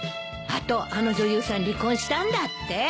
あとあの女優さん離婚したんだって。